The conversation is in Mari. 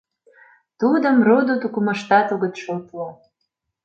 Тудым родо-тукымыштат огыт шотло.